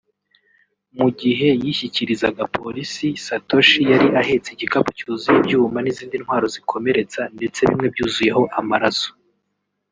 Mu gihe yishyikirizaga polisi Satoshi yari ahetse igikapu cyuzuye ibyuma n’izindi ntwaro zikomeretsa ndetse bimwe byuzuyeho amaraso